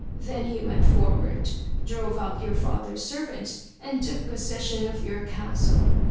Then he went forward, drove out your father's servants, and took possession of your castle.